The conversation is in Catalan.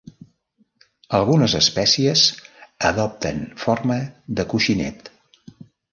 Algunes espècies adopten forma de coixinet.